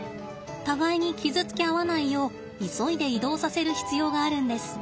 互いに傷つけ合わないよう急いで移動させる必要があるんです。